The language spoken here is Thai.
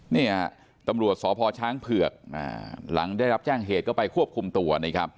เนี่ยตำรวจสพช้างเผือกหลังได้รับแจ้งเหตุก็ไปควบคุมตัวนะครับ